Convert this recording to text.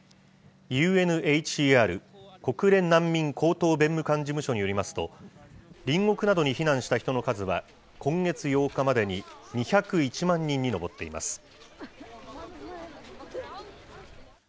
ＵＮＨＣＲ・国連難民高等弁務官事務所によりますと、隣国などに避難した人の数は、今月８日までに２０１万人に上っています。